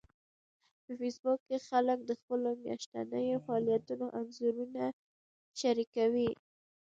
په فېسبوک کې خلک د خپلو میاشتنيو فعالیتونو انځورونه شریکوي